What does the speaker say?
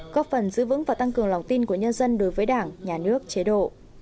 góp phần giữ vững và tăng cường lòng tin của nhân dân đối với đảng nhà nước chế độ